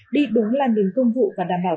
đi đúng làn đỉnh công vụ và đảm bảo